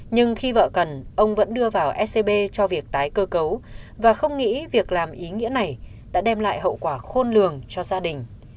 nhưng khi vợ cần ông vẫn đưa vào scb cho việc tái cơ cấu và không nghĩ việc làm ý nghĩa này đã đem lại hậu quả khôn lường cho gia đình